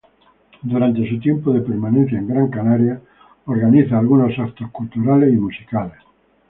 Durante su tiempo de permanencia en Gran Canaria, organiza algunos eventos culturales y musicales.